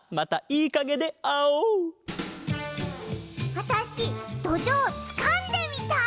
あたしどじょうつかんでみたい！